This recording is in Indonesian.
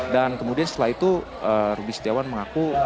dan kemudian setelah itu rudy setiawan mengaku